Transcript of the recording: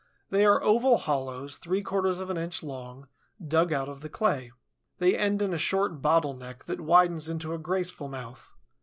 They are oval hollows, three quarters of an inch long, dug out of the clay. They end in a short bottle neck that widens into a graceful mouth.